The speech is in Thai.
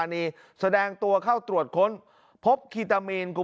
แล้วก็จับกุมคนในแก๊งได้อีก๔คนที่ปั๊มน้ำมัน